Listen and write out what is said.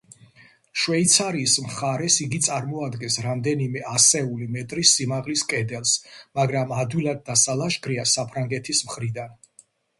შვეიცარიის მხარეს, იგი წარმოადგენს რამდენიმე ასეული მეტრის სიმაღლის კედელს, მაგრამ ადვილად დასალაშქრია საფრანგეთის მხრიდან.